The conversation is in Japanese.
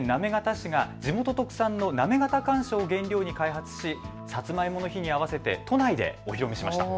市が地元特産の行方かんしょを原料に開発しさつまいもの日に合わせて都内でお披露目しました。